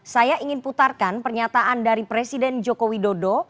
saya ingin putarkan pernyataan dari presiden joko widodo